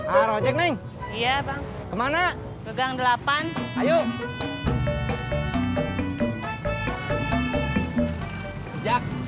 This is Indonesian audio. itu terus bisa omonginusa